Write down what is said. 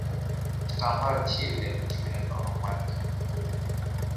Kitambaa kile kimelowa maji